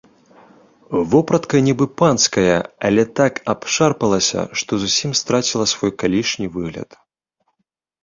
Вопратка нібы панская, але так абшарпалася, што зусім страціла свой калішні выгляд.